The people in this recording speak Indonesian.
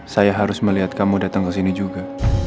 saya harus melihat kamu datang ke sini juga